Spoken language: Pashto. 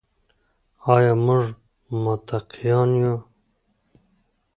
آیا موږ متقیان یو؟